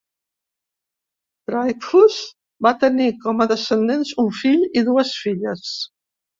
Dreyfuss va tenir com a descendents un fill i dues filles.